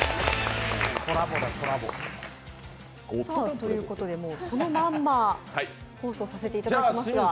ということで、そのまんま放送させていただきます。